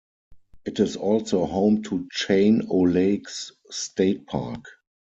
It is also home to Chain O'Lakes State Park.